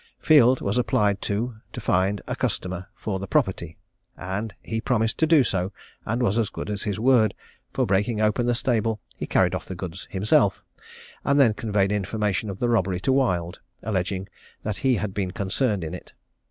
Field was applied to, to find a customer for the property, and he promised to do so, and was as good as his word; for breaking open the stable, he carried off the goods himself, and then conveyed information of the robbery to Wild, alleging that he had been concerned in it.